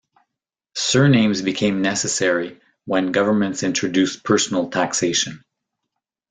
Surnames became necessary when governments introduced personal taxation.